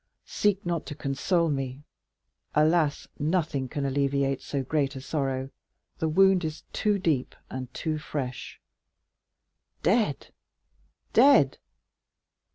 Seek not to console me; alas, nothing can alleviate so great a sorrow—the wound is too deep and too fresh! Dead, dead!"